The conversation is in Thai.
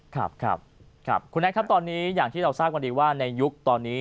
ครับครับคุณแท็กครับตอนนี้อย่างที่เราทราบกันดีว่าในยุคตอนนี้